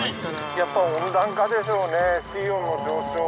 やっぱ温暖化でしょうね水温の上昇。